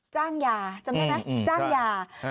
จ้างยาจำได้ไหมจ้างยา